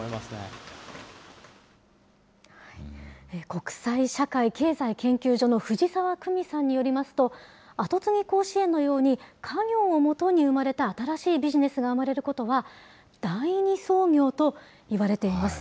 国際社会経済研究所の藤沢久美さんによりますと、アトツギ甲子園のように、家業をもとに生まれた新しいビジネスが生まれることは、第二創業といわれています。